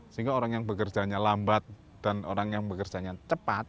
sehingga orang yang bekerjanya lambat dan orang yang bekerjanya cepat